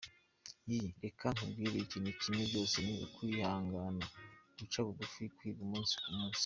Y: Reka nkubwire ikintu kimwe, byose ni ukwihangana, guca bugufi, kwiga umunsi ku munsi.